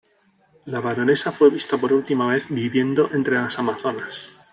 La baronesa fue vista por última vez viviendo entre las Amazonas.